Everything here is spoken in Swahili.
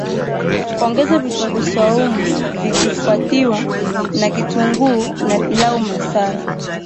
Ongeza vitunguu swaumu vikifuatiwa na kitunguu na pilau masala